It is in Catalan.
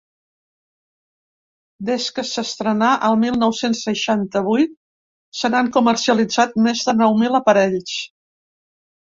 Des que s’estrenà, el mil nou-cents seixanta-vuit, se n’han comercialitzat més de nou mil aparells.